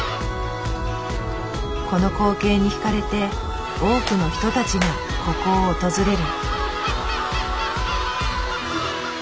この光景に惹かれて多くの人たちがここを訪れる。